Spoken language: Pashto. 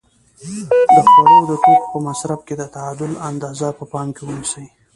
د خوړو د توکو په مصرف کې د تعادل اندازه په پام کې ونیسئ.